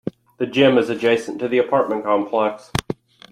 The gym is adjacent to the apartment complex.